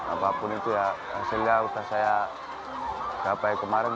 apapun itu ya hasilnya sudah saya gapai kemarin